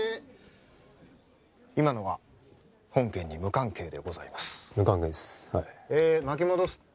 今のは本件に無関係でございます